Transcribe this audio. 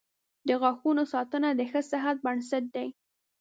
• د غاښونو ساتنه د ښه صحت بنسټ دی.